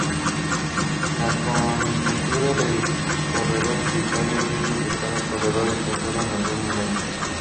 La conjetura del corredor solitario afirma que cada corredor está solo en algún momento.